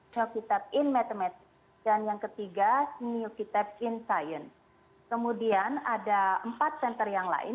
simeocitab in mathematics dan yang ketiga simeocitab in science kemudian ada empat center yang lain